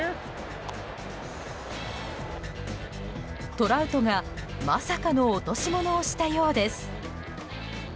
トラウトが、まさかの落とし物をしたようです。